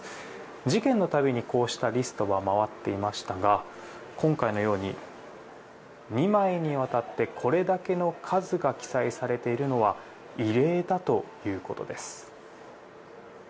事件のたびに、こうしたリストは回っていましたが今回のように２枚にわたってこれだけの数が記載されているのは異例だということです。